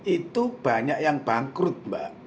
itu banyak yang bangkrut mbak